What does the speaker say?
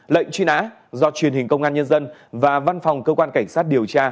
lệnh truy nã do truyền hình công an nhân dân và văn phòng cơ quan cảnh sát điều tra